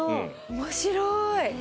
面白い。